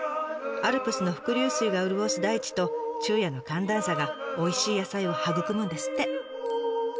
アルプスの伏流水が潤す大地と昼夜の寒暖差がおいしい野菜を育むんですって。